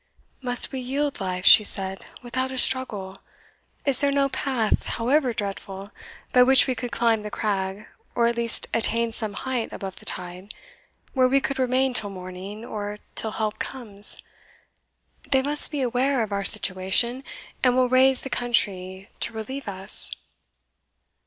"Must we yield life," she said, "without a struggle? Is there no path, however dreadful, by which we could climb the crag, or at least attain some height above the tide, where we could remain till morning, or till help comes? They must be aware of our situation, and will raise the country to relieve us."